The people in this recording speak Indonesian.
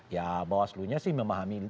ya bahwa selunya sih memahami